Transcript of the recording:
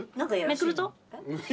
めくると？